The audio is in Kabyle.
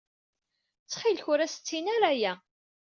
Ttxil-k, ur as-ttini ara aya.